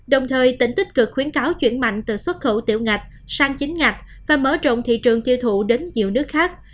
đồng thời tỉnh tích cực khuyến cáo chuyển mạnh từ xuất khẩu tiểu ngạch sang chính ngạch và mở rộng thị trường tiêu thụ đến nhiều nước khác